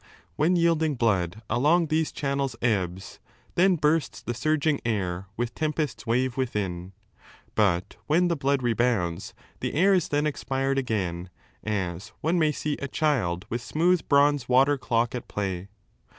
When yielding blood along these channels ebbs, Then bursts the surging air with tempest's wave Within. But when the blood rebounds, the air Is then expired again, as one may see A child with smooth bronze water clock at play.